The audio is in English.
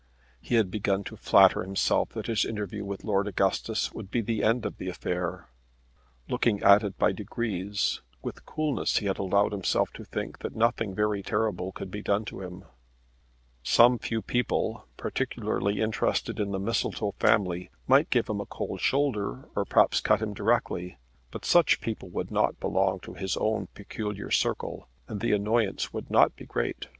He had begun to flatter himself that his interview with Lord Augustus would be the end of the affair. Looking at it by degrees with coolness he had allowed himself to think that nothing very terrible could be done to him. Some few people, particularly interested in the Mistletoe family, might give him a cold shoulder, or perhaps cut him directly; but such people would not belong to his own peculiar circle, and the annoyance would not be great.